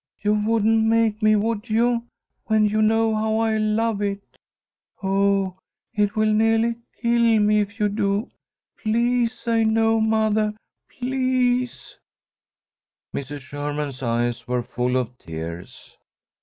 You wouldn't make me, would you, when you know how I love it? Oh, it will neahly kill me if you do! Please say no, mothah! Please!" Mrs. Sherman's eyes were full of tears.